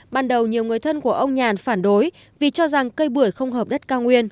ban đầu nhiều người thân của ông nhàn phản đối vì cho rằng cây bưởi không hợp đất cao nguyên